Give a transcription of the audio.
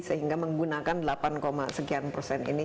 sehingga menggunakan delapan sekian persen ini